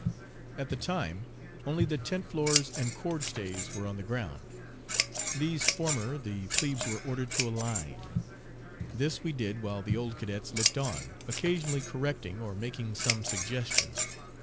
At the time only the tent floors and cord stays were on the ground. These former the plebes were ordered to align. This we did while the old cadets looked on, occasionally correcting or making some suggestion.